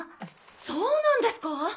そうなんですか